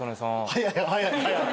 早い早い早い。